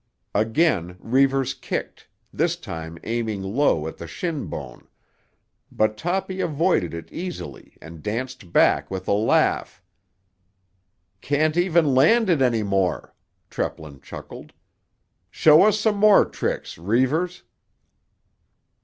Again Reivers kicked, this time aiming low at the shin bone; but Toppy avoided it easily and danced back with a laugh. "Can't even land it any more!" Treplin chuckled. "Show us some more tricks, Reivers!"